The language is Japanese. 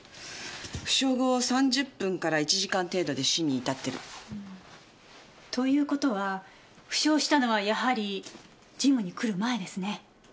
負傷後３０分から１時間程度で死に至ってる。ということは負傷したのはやはりジムに来る前ですね。